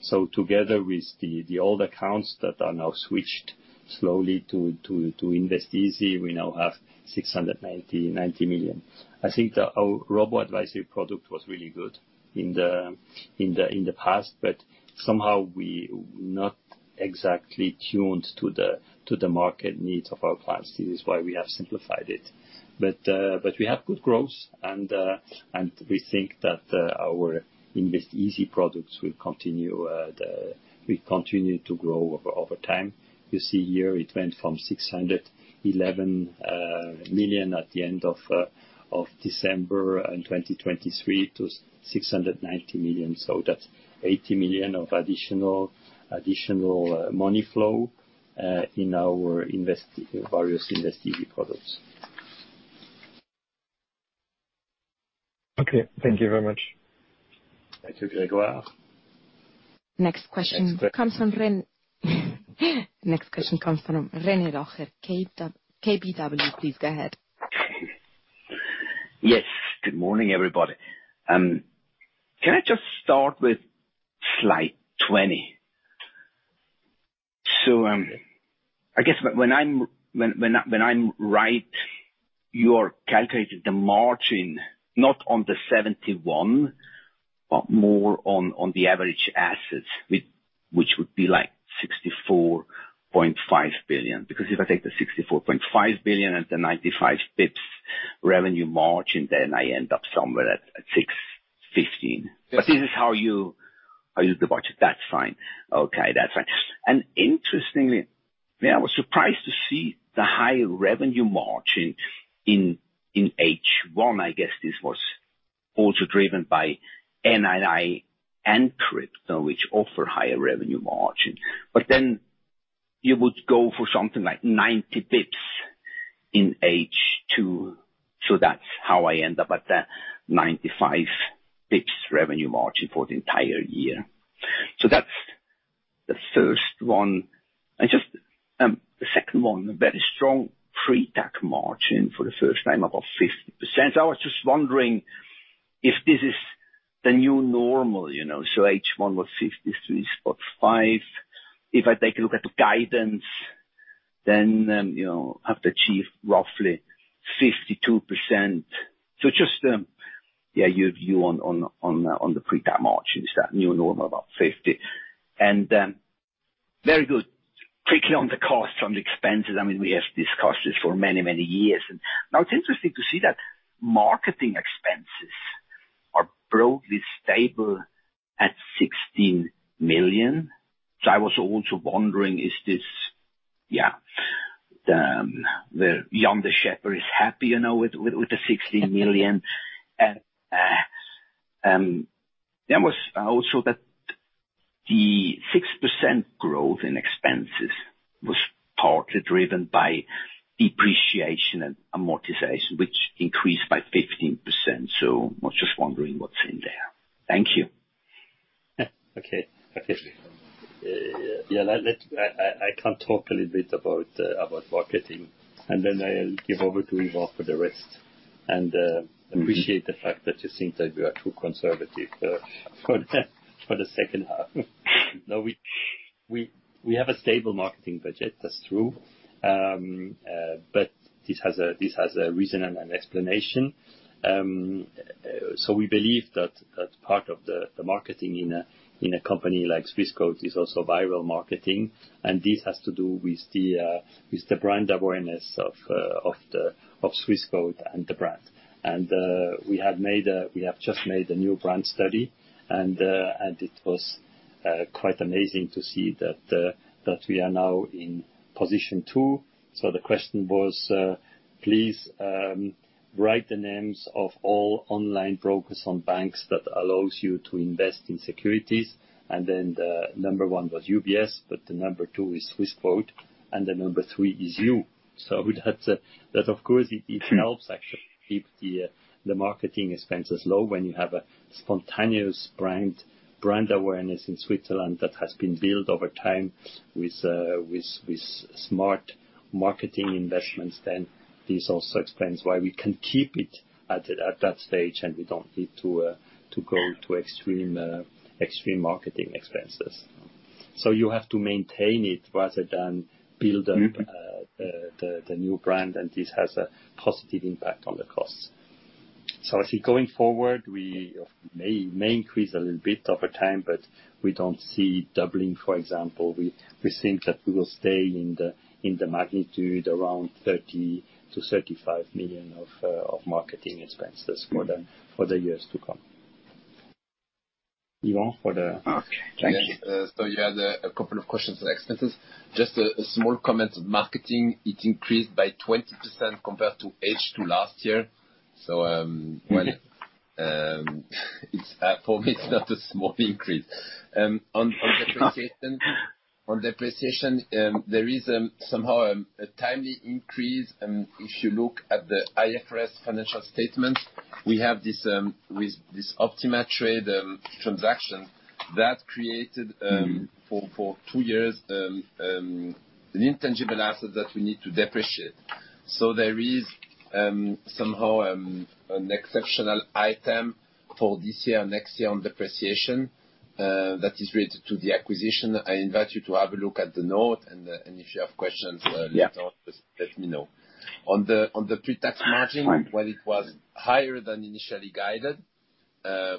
So together with the old accounts that are now switched slowly to Invest Easy, we now have 699 million. I think that our robo-advisory product was really good in the past, but somehow we not exactly tuned to the market needs of our clients. This is why we have simplified it. But we have good growth, and we think that our Invest Easy products will continue to grow over time. You see here, it went from 611 million at the end of December in 2023 to 690 million. So that's 80 million of additional money flow in our various Invest Easy products. Okay. Thank you very much. Thank you very well. Next question comes from René Locher, KBW. Please, go ahead. Yes. Good morning, everybody. Can I just start with slide 20? So, I guess when I'm right, you are calculating the margin, not on the 71, but more on the average assets with which would be like 64.5 billion. Because if I take the 64.5 billion and the 95 basis points revenue margin, then I end up somewhere at 615 million. But this is how you divide it. That's fine. Okay, that's fine. And interestingly, yeah, I was surprised to see the higher revenue margin in H1. I guess this was also driven by NII and crypto, which offer higher revenue margin. But then you would go for something like 90 basis points in H2, so that's how I end up at the 95 basis points revenue margin for the entire year. That's the first one. And just the second one, a very strong pre-tax margin for the first time, above 50%. I was just wondering if this is the new normal, you know? So H1 was 53.5. If I take a look at the guidance, then you know have to achieve roughly 52%. So just yeah your view on the pre-tax margin, is that new normal about 50? And very good. Quickly on the costs, on the expenses, I mean, we have discussed this for many, many years, and now it's interesting to see that marketing expenses are broadly stable at 16 million. So I was also wondering, is this yeah where Jan De Schepper is happy, you know, with the 16 million. There was also that the 6% growth in expenses was partly driven by depreciation and amortization, which increased by 15%, so I was just wondering what's in there? Thank you. Yeah. Okay. Okay. Yeah, I can talk a little bit about marketing, and then I'll give over to Yvan for the rest. Mm-hmm. I appreciate the fact that you think that we are too conservative for the second half. No, we have a stable marketing budget, that's true. But this has a reason and an explanation. So we believe that part of the marketing in a company like Swissquote is also viral marketing, and this has to do with the brand awareness of Swissquote and the brand. And we have just made a new brand study, and it was quite amazing to see that we are now in position two. So the question was, please, write the names of all online brokers or banks that allows you to invest in securities, and then the number one was UBS, but the number two is Swissquote, and the number three is you. So that of course it helps actually keep the marketing expenses low when you have a spontaneous brand awareness in Switzerland that has been built over time with smart marketing investments, then this also explains why we can keep it at that stage and we don't need to go to extreme marketing expenses. So you have to maintain it rather than build up- Mm-hmm... the new brand, and this has a positive impact on the costs. So actually, going forward, we may increase a little bit over time, but we don't see doubling, for example. We think that we will stay in the magnitude around 30 million-35 million of marketing expenses for the years to come. Yvan, for the- Okay, thank you. So you had a couple of questions on expenses. Just a small comment. Marketing, it increased by 20% compared to H2 last year, so- Mm-hmm... well, it's for me, it's not a small increase. On depreciation, there is somehow a timely increase, if you look at the IFRS financial statement, we have this with this Optimatrade transaction that created- Mm-hmm... for, for two years, an intangible asset that we need to depreciate. So there is somehow an exceptional item for this year, next year, on depreciation, that is related to the acquisition. I invite you to have a look at the note, and, and if you have questions, Yeah... let me know. On the pre-tax margin- Fine... well, it was higher than initially guided.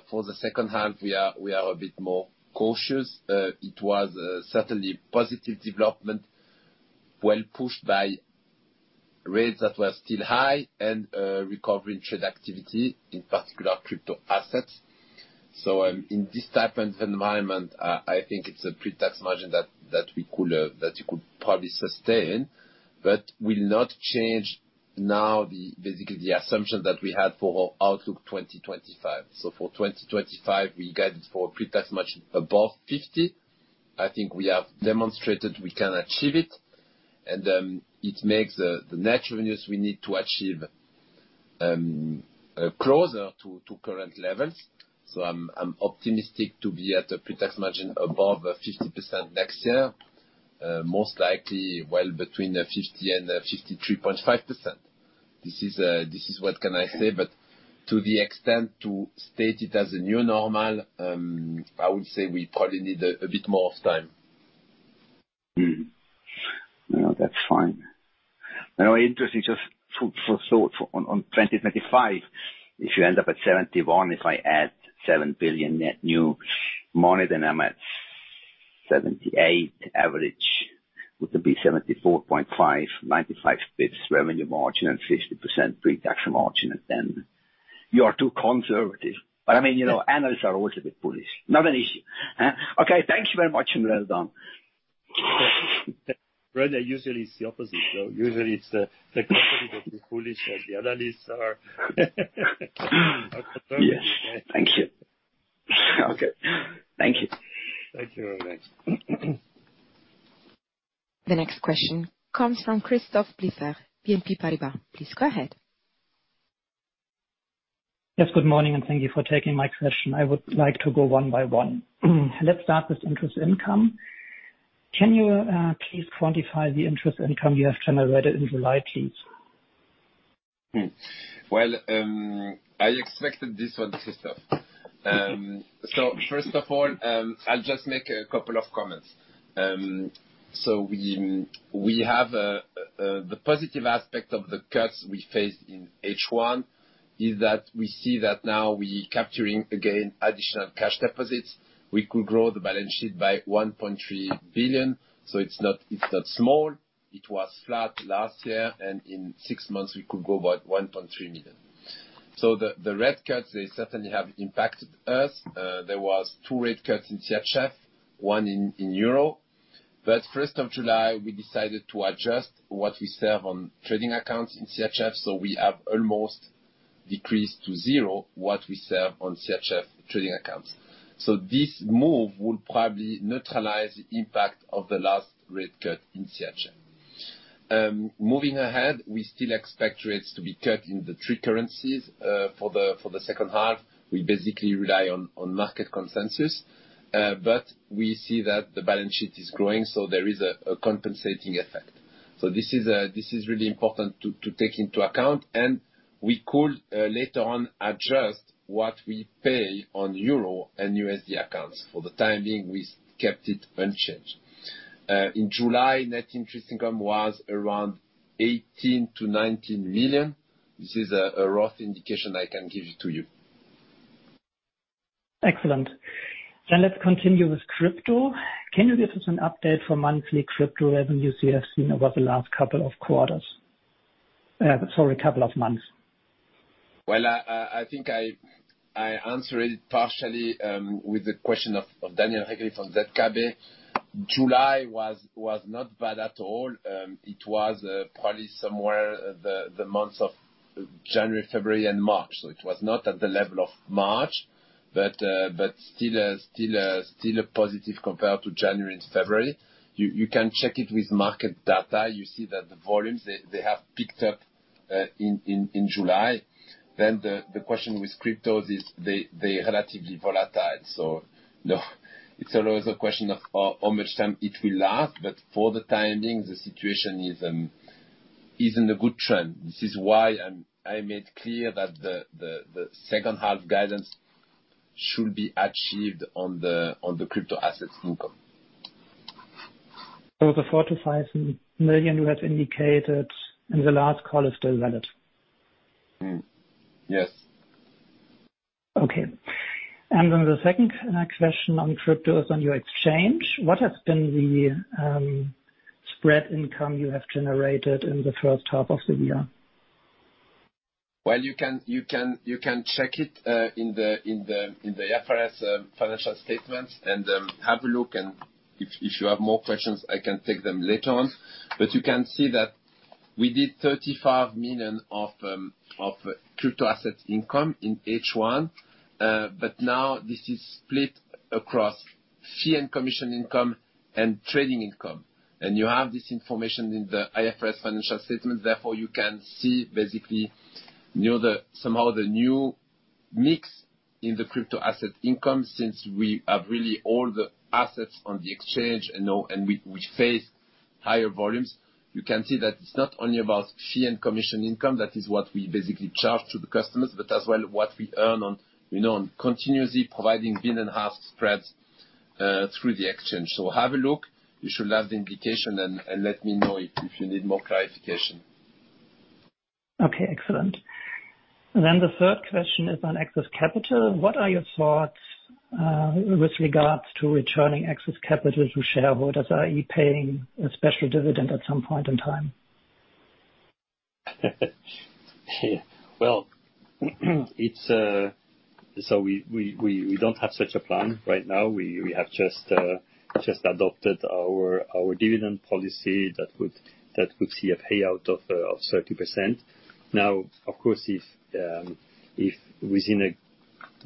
For the second half, we are a bit more cautious. It was certainly positive development, well pushed by rates that were still high and recovery in trade activity, in particular crypto assets. So, in this type of environment, I think it's a pre-tax margin that you could probably sustain, but will not change now, basically the assumption that we had for our outlook 2025. So for 2025, we guided for pre-tax margin above 50%. I think we have demonstrated we can achieve it, and it makes the net revenues we need to achieve closer to current levels. So I'm optimistic to be at a pre-tax margin above 50% next year, most likely well between 50% and 53.5%. This is what can I say, but to the extent to state it as a new normal, I would say we probably need a bit more of time. Well, that's fine. Now, interesting, just for thought on 2025, if you end up at 71, if I add 7 billion net new money, then I'm at 78 average, would be 74.5, 95 bps revenue margin and 50% pre-tax margin, and then you are too conservative. But, I mean, you know, analysts are always a bit bullish. Not an issue? Okay, thank you very much, and well done. Granted, usually it's the opposite, though. Usually it's the company that be bullish, and the analysts are conservative. Yes. Thank you. Okay, thank you. Thank you very much. The next question comes from Christophe Beelaerts, BNP Paribas. Please go ahead. Yes, good morning, and thank you for taking my question. I would like to go one by one. Let's start with interest income. Can you, please quantify the interest income you have generated in July, please? Hmm. Well, I expected this one, Christophe. So first of all, I'll just make a couple of comments. We have the positive aspect of the cuts we faced in H1 is that we see that now we capturing again additional cash deposits. We could grow the balance sheet by 1.3 billion, so it's not small. It was flat last year, and in six months we could grow about 1.3 million. So the rate cuts, they certainly have impacted us. There were 2 rate cuts in CHF, 1 in euro. But July 1, we decided to adjust what we serve on trading accounts in CHF, so we have almost decreased to zero what we serve on CHF trading accounts. So this move will probably neutralize the impact of the last rate cut in CHF. Moving ahead, we still expect rates to be cut in the three currencies for the second half. We basically rely on market consensus, but we see that the balance sheet is growing, so there is a compensating effect. So this is really important to take into account, and we could later on adjust what we pay on euro and USD accounts. For the time being, we kept it unchanged. In July, net interest income was around 18 million-19 million. This is a rough indication I can give it to you. Excellent. Then let's continue with crypto. Can you give us an update for monthly crypto revenues you have seen over the last couple of quarters? Sorry, couple of months. Well, I think I answered it partially with the question of Daniel Regli from ZKB. July was not bad at all. It was probably somewhere the months of January, February, and March. So it was not at the level of March, but still a positive compared to January and February. You can check it with market data. You see that the volumes they have picked up in July. Then the question with cryptos is they’re relatively volatile. So no, it’s always a question of how much time it will last, but for the time being, the situation is in a good trend. This is why I made clear that the second half guidance should be achieved on the crypto assets income. The 4 million-5 million you had indicated in the last call is still valid? Hmm. Yes. Okay. And then the second question on crypto is on your exchange. What has been the spread income you have generated in the first half of the year? Well, you can check it in the IFRS financial statements, and have a look, and if you have more questions, I can take them later on. But you can see that we did 35 million of crypto asset income in H1, but now this is split across fee and commission income and trading income. And you have this information in the IFRS financial statement, therefore, you can see basically, you know, the somehow the new mix in the crypto asset income since we have really all the assets on the exchange and now. And we face higher volumes. You can see that it's not only about fee and commission income, that is what we basically charge to the customers, but as well, what we earn on, you know, on continuously providing bid and ask spreads through the exchange. So have a look, you should have the indication, and let me know if you need more clarification. Okay, excellent. Then the third question is on excess capital. What are your thoughts, with regards to returning excess capital to shareholders, i.e., paying a special dividend at some point in time? Well, it's. So we don't have such a plan right now. We have just adopted our dividend policy that would see a payout of 30%. Now, of course, if within a...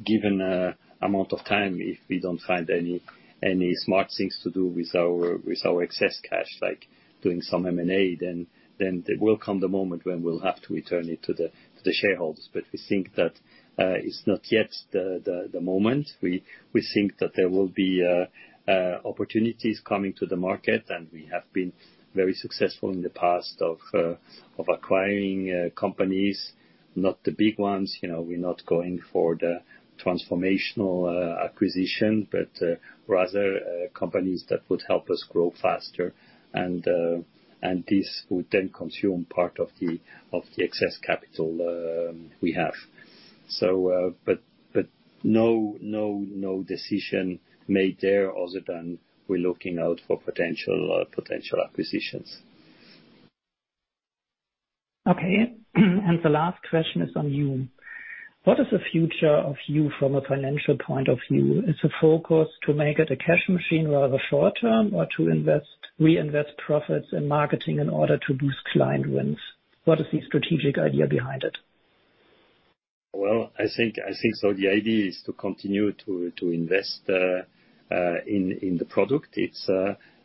Given an amount of time, if we don't find any smart things to do with our excess cash, like doing some M&A, then there will come the moment when we'll have to return it to the shareholders. But we think that it's not yet the moment. We think that there will be opportunities coming to the market, and we have been very successful in the past of acquiring companies. Not the big ones, you know, we're not going for the transformational acquisition, but rather companies that would help us grow faster. And this would then consume part of the excess capital we have. So, but no decision made there other than we're looking out for potential acquisitions. Okay. The last question is on Yuh. What is the future of Yuh from a financial point of view? Is the focus to make it a cash machine rather short term, or to invest, reinvest profits in marketing in order to boost client wins? What is the strategic idea behind it? Well, I think so the idea is to continue to invest in the product. It's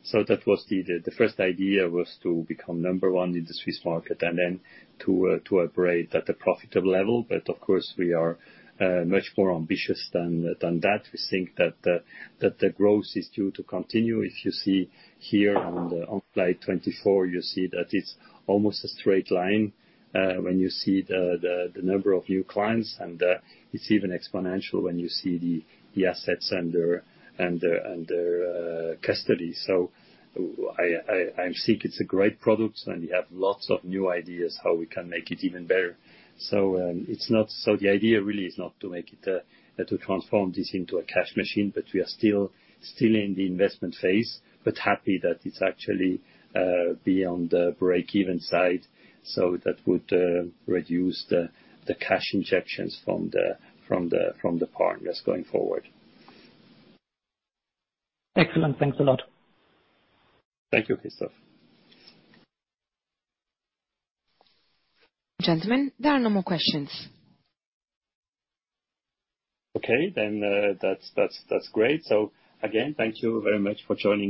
so that was the first idea, was to become number one in the Swiss market, and then to operate at a profitable level. But of course, we are much more ambitious than that. We think that the growth is due to continue. If you see here on slide 24, you see that it's almost a straight line when you see the number of new clients, and it's even exponential when you see the assets under custody. So I think it's a great product, and we have lots of new ideas how we can make it even better. So the idea really is not to make it to transform this into a cash machine, but we are still in the investment phase, but happy that it's actually beyond the break-even side, so that would reduce the cash injections from the partners going forward. Excellent. Thanks a lot. Thank you, Christophe. Gentlemen, there are no more questions. Okay, then, that's great. So again, thank you very much for joining us.